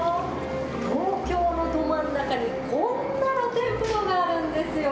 東京のど真ん中に、こんな露天風呂があるんですよ。